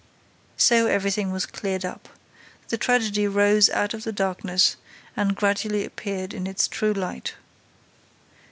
So everything was cleared up. The tragedy rose out of the darkness and gradually appeared in its true light.